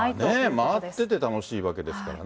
回ってて楽しいわけですからね。